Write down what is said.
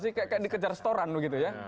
sih kayak dikejar setoran gitu ya